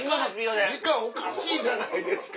時間おかしいじゃないですか。